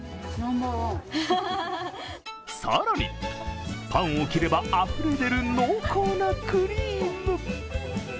更に、パンを切ればあふれ出る濃厚なクリーム。